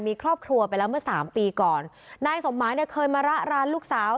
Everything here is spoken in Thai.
มีครอบครัวไปแล้วเมื่อสามปีก่อนนายสมหมายเนี่ยเคยมาระร้านลูกสาว